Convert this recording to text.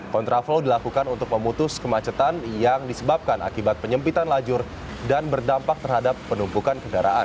kontraflow dilakukan untuk memutus kemacetan yang disebabkan akibat penyempitan lajur dan berdampak terhadap penumpukan kendaraan